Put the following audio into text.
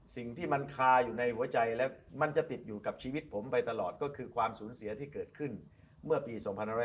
สิ่งที่มันคาอยู่ในหัวใจแล้วมันจะติดอยู่กับชีวิตผมไปตลอดก็คือความสูญเสียที่เกิดขึ้นเมื่อปี๒๕๖๐